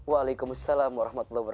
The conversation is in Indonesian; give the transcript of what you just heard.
waalaikumsalam wr wb